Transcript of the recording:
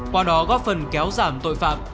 qua đó góp phần kéo giảm tội phạm